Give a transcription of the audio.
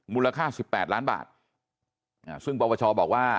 มูลค่าสิบแปดล้านบาทซึ่งปวชบอกว่า